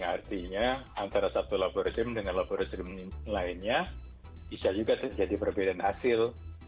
artinya antara satu laboratorium dengan laboratorium lainnya bisa juga terjadi perbedaan hasil